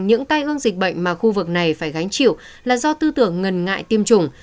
những tai ương dịch bệnh mà khu vực này phải gánh chịu là do tư tưởng ngần ngại tiêm chủng